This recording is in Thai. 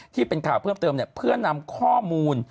ที่เป็นข่าวเพิ่มเติมเพื่อนำข้อมูล